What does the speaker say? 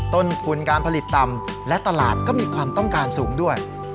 ต้นทุนการผลิตต่ำและตลาดก็มีความต้องการสูงด้วย